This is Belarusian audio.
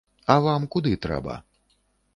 А вам куды трэба?